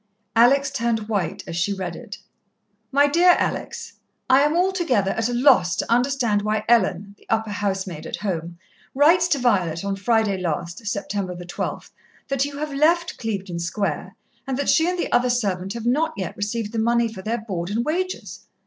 Alex turned white as she read it. "MY DEAR ALEX, "I am altogether at a loss to understand why Ellen (the upper housemaid at home) writes to Violet on Friday last, Sept. 12, that you have left Clevedon Square, and that she and the other servant have not yet received the money for their board and wages.